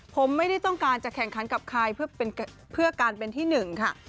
ผมไม่ได้ต้องการจะแข่งขันกับใครเพื่อการเป็นที่หนึ่งค่ะ